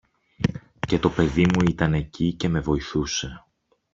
Και το παιδί μου ήταν εκεί και με βοηθούσε.